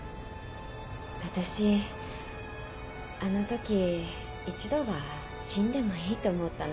わたしあのとき一度は死んでもいいと思ったの。